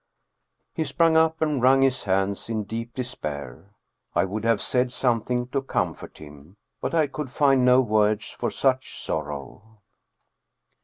" He sprang up and wrung his hands in deep despair. I would have said something to comfort him, but I could find no words for such sorrow.